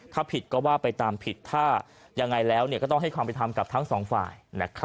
ถ้าผิดก็ว่าไปตามผิดถ้ายังไงแล้วก็ต้องให้ความเป็นธรรมกับทั้งสองฝ่าย